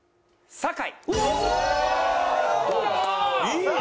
酒井？